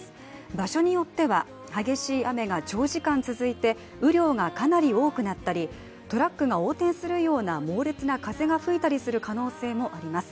場所によっては、激しい雨が長時間続いて雨量がかなり多くなったりトラックが横転するような猛烈な風が吹いたりする可能性もあります。